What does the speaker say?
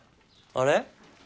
あれっ？